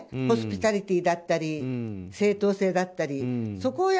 ホスピタリティーだったり正当性だったり。